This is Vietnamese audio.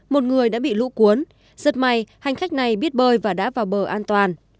một người đã bị lũ cuốn rất may hành khách này biết bơi và đã vào bờ an toàn